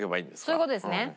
そういう事ですね。